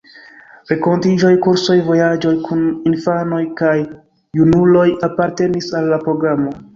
Renkontiĝoj, kursoj, vojaĝoj kun infanoj kaj junuloj apartenis al la programo.